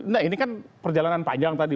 nah ini kan perjalanan panjang tadi